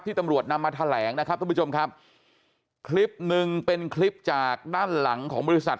ตำรวจนำมาแถลงนะครับทุกผู้ชมครับคลิปหนึ่งเป็นคลิปจากด้านหลังของบริษัท